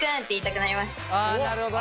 なるほどね。